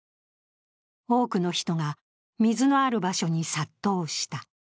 多くの人が、水のある場所に殺到した。